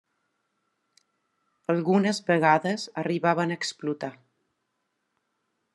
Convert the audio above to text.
Algunes vegades arribaven a explotar.